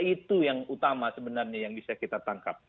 itu yang utama sebenarnya yang bisa kita tangkap